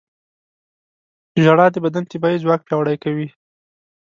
• ژړا د بدن دفاعي ځواک پیاوړی کوي.